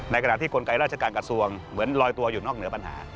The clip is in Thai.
ในกระดาษที่กลไกรราชการกัดส่วนเหมือนลอยตัวอยู่นอกเหนือปัญหา